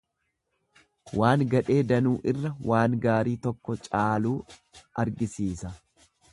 Waan gadhee danuu irra waan gaariin tokko caaluu argisiisa.